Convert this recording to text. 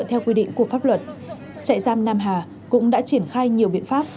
theo quy định của pháp luật trại giam nam hà cũng đã triển khai nhiều biện pháp